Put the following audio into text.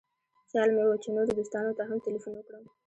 خیال مې و چې نورو دوستانو ته هم تیلفون وکړم.